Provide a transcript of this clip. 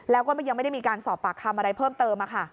แล้วก็ยังไม่ได้มีการสอบปากคำอะไรเพิ่มเติม